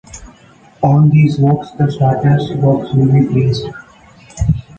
On these walks the starter's box will be placed.